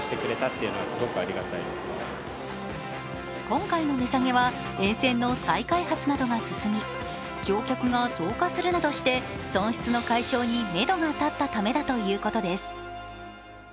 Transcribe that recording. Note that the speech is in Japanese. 今回の値下げは沿線の再開発などが進み乗客が増加するなどして損失の解消にめどが立ったためだということです。